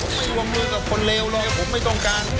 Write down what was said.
ผมไม่วงมือกับคนเลวเลยผมไม่ต้องการ